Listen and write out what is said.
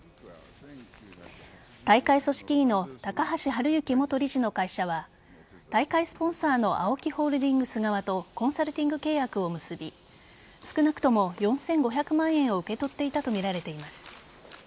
大会組織委の高橋治之元理事の会社は大会スポンサーのＡＯＫＩホールディングス側とコンサルティング契約を結び少なくとも４５００万円を受け取っていたとみられています。